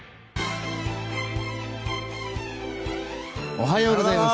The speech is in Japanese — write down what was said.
おはようございます。